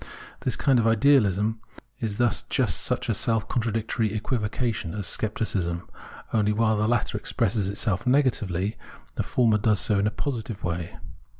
This kind of idealism is thus jiist such a self contradictory equivocation as scepticism ; only, while the latter expresses itself negatively, the former does so in a positive way.